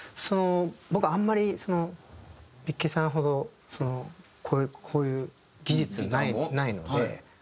僕はあんまりビッケさんほどこういう技術はないので。